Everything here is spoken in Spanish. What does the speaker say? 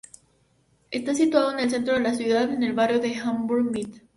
Está situado en el centro de la ciudad, en el barrio de Hamburg-Mitte.